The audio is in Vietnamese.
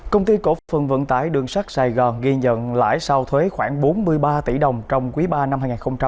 công ty cổ phần vận tải đường sắt sài gòn ghi nhận lãi sau thuế khoảng bốn mươi ba tỷ đồng trong quý ba năm hai nghìn hai mươi